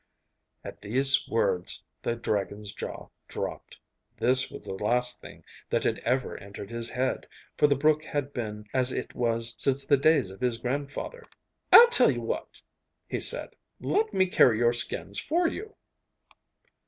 At these words the dragon's jaw dropped. This was the last thing that had ever entered his head, for the brook had been as it was since the days of his grandfather. 'I'll tell you what!' he said. 'Let me carry your skins for you.